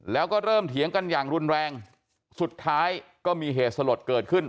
แล้วก็เริ่มเถียงกันอย่างรุนแรงสุดท้ายก็มีเหตุสลดเกิดขึ้น